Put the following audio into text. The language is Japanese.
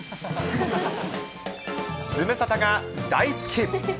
ズムサタが大好き。